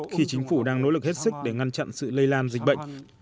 khi chính phủ đang nỗ lực hết sức để ngăn chặn sự lây lan dịch bệnh